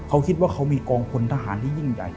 เขาคิดว่าเขามีกองพลทหารที่ยิ่งใหญ่